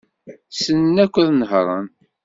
Ssnen akk ad nehṛen.